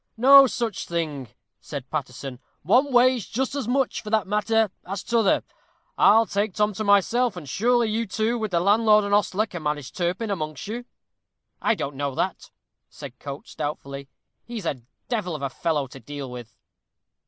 "No such thing," said Paterson; "one weighs just as much for that matter as t'other. I'll take Tom to myself, and surely you two, with the landlord and ostler, can manage Turpin amongst you." "I don't know that," said Coates, doubtfully; "he's a devil of a fellow to deal with."